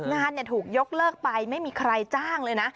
งานถูกยกเลิกไปไม่มีใครจ้างเลยนะ